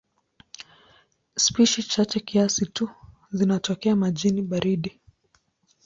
Spishi chache kiasi tu zinatokea majini baridi.